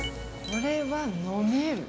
これは飲める。